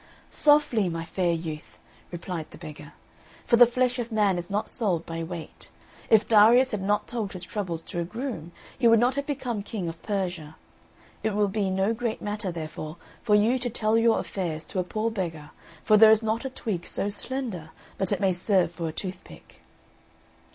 "Softly, my fair youth!" replied the beggar, "for the flesh of man is not sold by weight. If Darius had not told his troubles to a groom he would not have become king of Persia. It will be no great matter, therefore, for you to tell your affairs to a poor beggar, for there is not a twig so slender but it may serve for a toothpick."